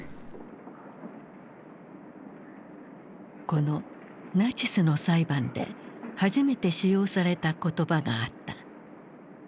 このナチスの裁判で初めて使用された言葉があった。